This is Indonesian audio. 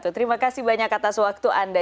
terima kasih banyak atas waktu anda